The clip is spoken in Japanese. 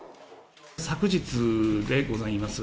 昨日でございます。